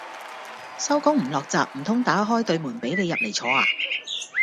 收工唔落閘，唔通打開對門俾你入嚟坐呀